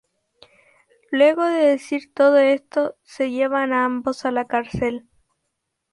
Luego de decir todo esto se llevan a ambos a la cárcel.